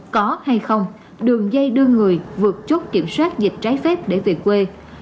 có hay không đường dây đưa người vượt chốt kiểm soát dịch trái phép để về quê